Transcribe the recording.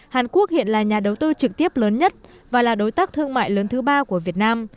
hàn quốc hiện là nhà đầu tư trực tiếp lớn nhất và là đối tác thương mại lớn thứ ba của việt nam